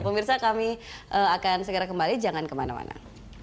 pemirsa kami akan segera kembali jangan kemana mana